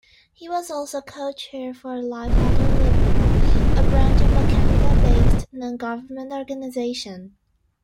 He was also co-chair of Lifewater Liberia, a branch of a Canada-based non-government organization.